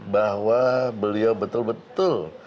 bahwa beliau betul betul